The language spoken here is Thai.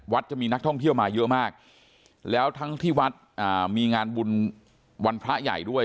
จะมีนักท่องเที่ยวมาเยอะมากแล้วทั้งที่วัดอ่ามีงานบุญวันพระใหญ่ด้วย